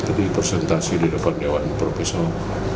ada presentasi di depan dewan profesor